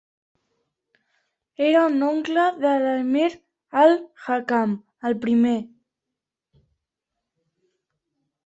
Era un oncle de l'emir al-Hakam el primer.